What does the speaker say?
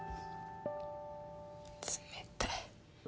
冷たい。